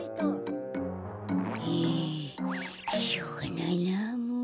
ええしょうがないなもう。